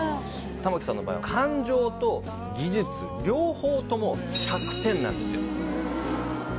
玉置さんの場合は感情と技術両方とも１００点なんですよ